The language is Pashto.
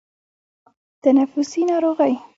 تنفسي ناروغۍ